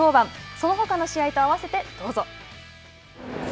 そのほかの試合と合わせてどうぞ。